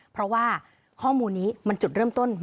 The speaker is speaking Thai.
เพราะว่าข้อมูลนี้มันจุดเริ่มต้น